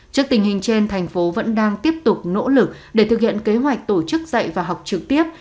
trước tình hình trên thành phố vẫn đang tiếp tục nỗ lực để thực hiện kế hoạch tổ chức dạy và học trực tiếp